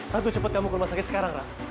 ratu cepat kamu ke rumah sakit sekarang ra